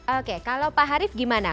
oke kalau pak harif gimana